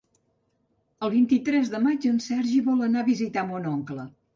El vint-i-tres de maig en Sergi vol anar a visitar mon oncle.